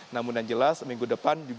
namun yang jelas minggu depan